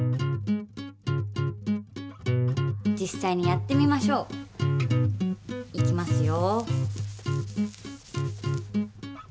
実際にやってみましょう。いきますよ。